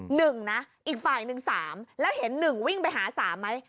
หนึ่งนะอีกฝ่ายหนึ่งสามแล้วเห็นหนึ่งวิ่งไปหาสามไหม